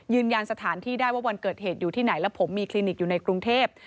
ยืนยันสถานที่ได้ว่าวันเกิดเหตุอยู่ที่ไหนแล้วผมมีคลินิกอยู่ในกรุงเทพ